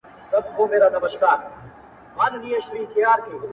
• يوه ورځ يې كړ هوسۍ پسي آس پونده,